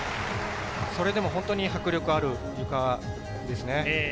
それでも本当に迫力のあるゆかですね。